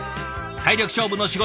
体力勝負の仕事。